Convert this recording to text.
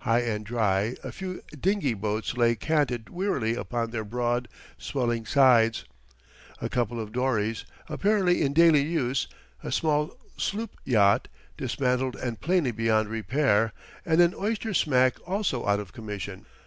High and dry, a few dingy boats lay canted wearily upon their broad, swelling sides, a couple of dories, apparently in daily use; a small sloop yacht, dismantled and plainly beyond repair; and an oyster smack also out of commission.